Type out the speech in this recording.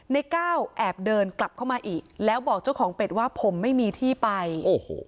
ในก้าวแอบเดินกลับเข้ามาอีกแล้วบอกเจ้าของเป็ดว่าผมไม่มีที่ไปโอ้โห